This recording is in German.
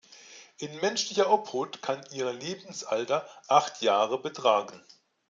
In menschlicher Obhut kann ihr Lebensalter acht Jahre betragen.